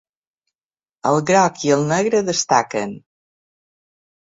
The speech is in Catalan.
El groc i el negre destaquen.